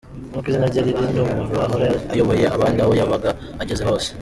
Nk’uko izina rye riri, ni umuntu uhora ayoboye abandi aho yaba ageze hose.